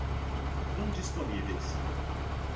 indisponíveis